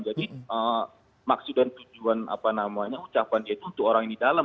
jadi maksud dan tujuan apa namanya ucapan dia itu untuk orang yang di dalam